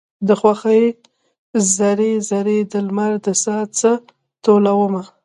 د خوښۍ ذرې، ذرې د لمر د ساه څه ټولومه